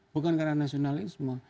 bukan karena nasionalisme